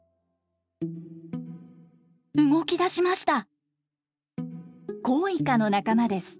動きだしました！